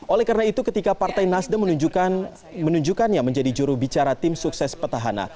oleh karena itu ketika partai nasda menunjukkan yang menjadi jurubicara tim sukses petahana